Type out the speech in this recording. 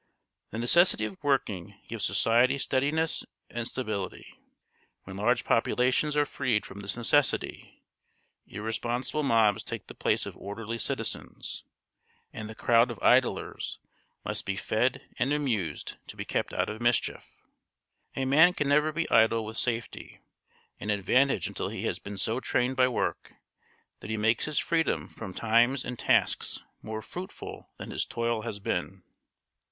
The necessity of working gives society steadiness and stability; when large populations are freed from this necessity, irresponsible mobs take the place of orderly citizens, and the crowd of idlers must be fed and amused to be kept out of mischief. A man can never be idle with safety and advantage until he has been so trained by work that he makes his freedom from times and tasks more fruitful than his toil has been.